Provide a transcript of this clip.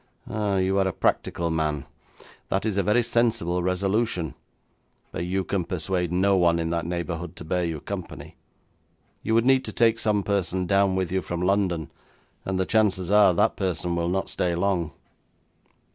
'Ah, you are a practical man. That is a very sensible resolution. But you can persuade no one in that neighbourhood to bear you company. You would need to take some person down with you from London, and the chances are, that person will not stay long.'